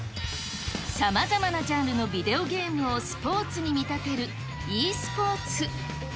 さまざまなジャンルのビデオゲームをスポーツに見立てるｅスポーツ。